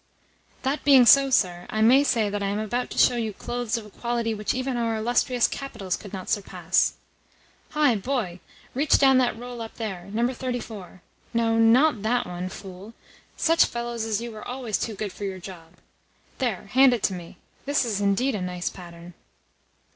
"That being so, sir, I may say that I am about to show you clothes of a quality which even our illustrious capitals could not surpass. Hi, boy! Reach down that roll up there number 34. No, NOT that one, fool! Such fellows as you are always too good for your job. There hand it to me. This is indeed a nice pattern!"